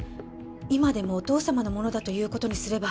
今でもお義父様の物だということにすれば